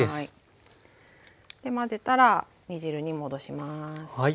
で混ぜたら煮汁に戻します。